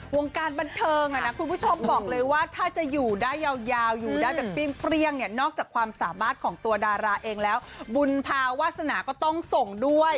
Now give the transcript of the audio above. วงการบันเทิงอ่ะนะคุณผู้ชมบอกเลยว่าถ้าจะอยู่ได้ยาวอยู่ได้แบบเปรี้ยงเนี่ยนอกจากความสามารถของตัวดาราเองแล้วบุญภาวาสนาก็ต้องส่งด้วย